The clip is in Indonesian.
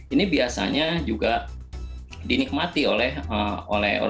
ini biasanya juga diadopsi dari kata kata yang diadopsi dari istilah kuliner belanda ya